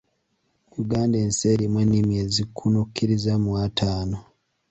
Uganda nsi erimu ennimi ezikunukkiriza mu ataano.